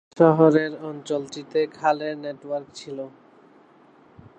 শহরের অঞ্চলটিতে খালের নেটওয়ার্ক ছিল।